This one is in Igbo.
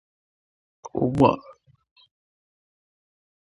Ugbua